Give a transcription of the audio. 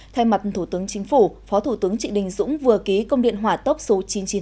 thay mặt thủ tướng chính phủ phó thủ tướng trịnh đình dũng vừa ký công điện hỏa tốc số chín trăm chín mươi năm